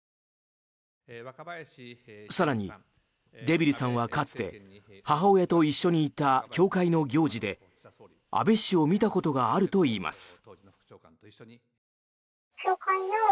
更に、デビルさんはかつて母親と一緒に行った教会の行事で安倍氏を見たことがあるといいます。